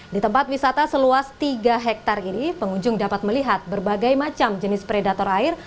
di tempat wisata seluas tiga hektare ini pengunjung dapat melihat berbagai macam jenis predator air